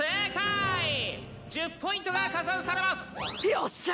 よっしゃ！